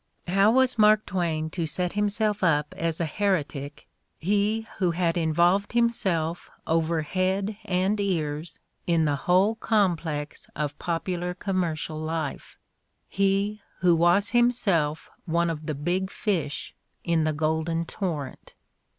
How was Mark Twain to set himself up as a heretic, he who had involved himself over head and ears in the whole complex of popular commercial life, he who was himself one of the big fish in the golden torrent?